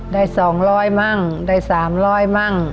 ได้สองร้อยมั้งได้สามร้อยมั้ง